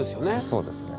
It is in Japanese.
そうですね。